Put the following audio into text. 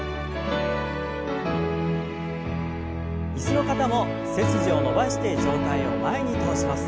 椅子の方も背筋を伸ばして上体を前に倒します。